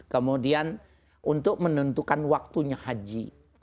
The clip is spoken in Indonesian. kemudian untuk menentukan waktunya haji